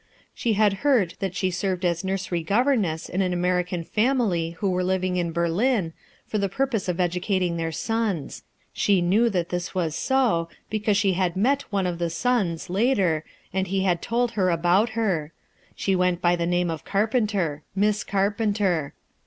She had heard that she served as nursery governess in an American family who were living in Berlin, for the purpose of educating their sons. She knew that this was so, because ehe had met one of the sons, later, and he had told her about her; she went by the name of 210 IIUTII ERSKINE'S SON Carpenter — Miss Carpenter.